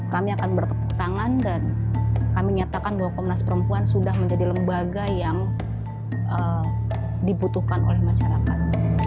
kami akan bertepuk tangan dan kami nyatakan bahwa komnas perempuan sudah menjadi lembaga yang dibutuhkan oleh masyarakat